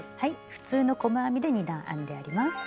普通の細編みで２段編んであります。